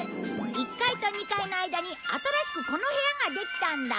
１階と２階の間に新しくこの部屋ができたんだ。